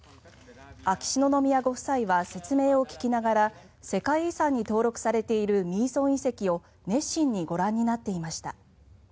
秋篠宮ご夫妻は説明を聞きながら世界遺産に登録されているミーソン遺跡を熱心にご覧になっていました。